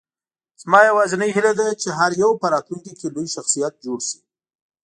زما یوازینۍ هیله ده، چې هر یو په راتلونکې کې لوی شخصیت جوړ شي.